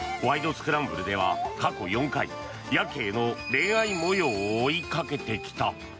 スクランブル」では過去４回、ヤケイの恋愛模様を追いかけてきた。